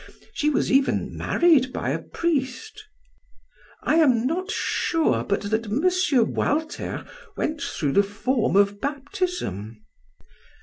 She was even married by a priest. I am not sure but that M. Walter went through the form of baptism."